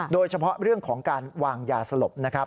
โดยเฉพาะเรื่องของการวางยาสลบ